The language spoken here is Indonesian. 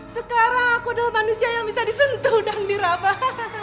sekarang aku adalah manusia yang bisa disentuh dan dirabah